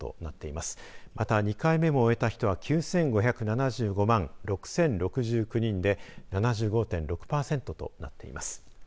また、２回目も終えた人は９５７５万６０６９人で７５．６パーセントとなっています。